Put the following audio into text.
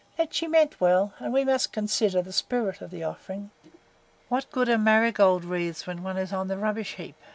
Yet she meant well, and we must consider the spirit of the offering." "What good are marigold wreaths when one is on the rubbish heap?"